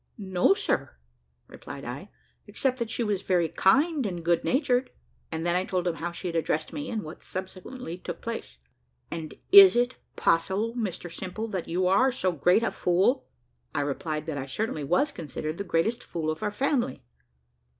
"No, sir," replied I, "except that she was very kind and good natured;" and then I told him how she had addressed me, and what subsequently took place. "And is it possible, Mr Simple, that you are so great a fool?" I replied that I certainly was considered the greatest fool of our family.